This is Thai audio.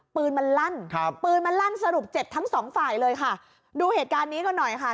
ปืนมันลั่นครับปืนมันลั่นสรุปเจ็บทั้งสองฝ่ายเลยค่ะดูเหตุการณ์นี้กันหน่อยค่ะ